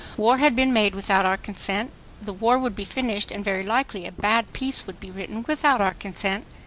War had been made without our consent. The war would be finished and very likely a bad peace would be written without our consent.